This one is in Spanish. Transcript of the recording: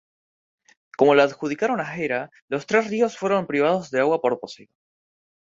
Como la adjudicaron a Hera, los tres ríos fueron privados de agua por Poseidón.